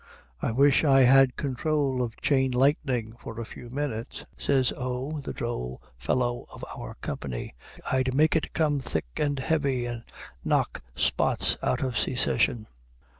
"I wish I had control of chain lightning for a few minutes," says O., the droll fellow of our company. "I'd make it come thick and heavy and knock spots out of Secession."